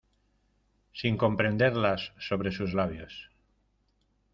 sin comprenderlas, sobre sus labios.